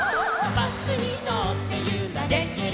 「バスにのってゆられてる」